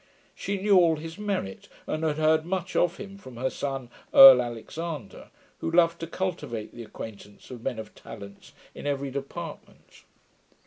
She knew all his merit, and had heard much of him from her son, Earl Alexander, who loved to cultivate the acquaintance of men of talents, in every department.